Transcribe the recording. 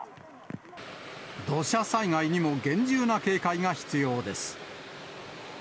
土砂災害にも厳重な警戒が必要です。